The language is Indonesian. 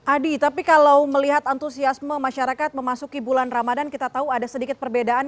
adi tapi kalau melihat antusiasme masyarakat memasuki bulan ramadan kita tahu ada sedikit perbedaan